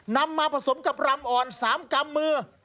นำมาผสมกับรำอ่อน๓กำมือ